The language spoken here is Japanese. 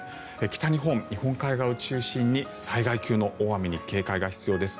北日本、日本海側を中心に災害級の大雨に警戒が必要です。